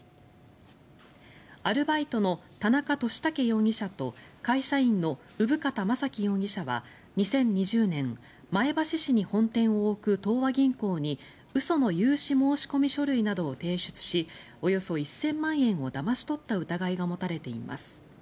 アルバイトの田中利武容疑者と会社員の生方幹樹容疑者は２０２０年前橋市に本店を置く東和銀行に嘘の融資申込書類などを提出しおよそ１０００万円をだまし取った疑いが持たれています。